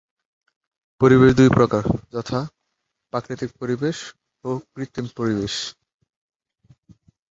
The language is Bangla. পরিবেশ দুই প্রকার, যথাঃ প্রাকৃতিক পরিবেশ ও কৃত্রিম পরিবেশ।